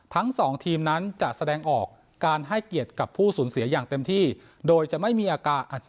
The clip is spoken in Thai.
ทั้งสองทีมนั้นจะแสดงออกการให้เกียรติกับผู้สูญเสียอย่างเต็มที่โดยจะไม่มีอาการ